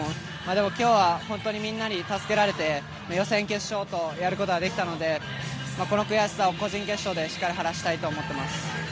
でも今日は本当にみんなに助けられて予選、決勝とやることができたのでこの悔しさを個人決勝でしっかり晴らしたいと思います。